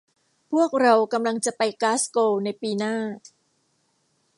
พวกเรากำลังจะไปกลาสโกวในปีหน้า